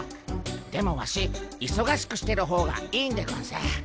でもワシいそがしくしてる方がいいんでゴンス。